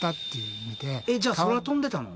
えっじゃあ空飛んでたの？